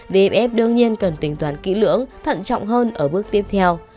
vf đương nhiên cần tính toán kỹ lưỡng thận trọng hơn ở bước tiếp theo